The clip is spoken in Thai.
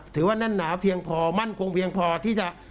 แน่นหนาเพียงพอมั่นคงเพียงพอที่จะ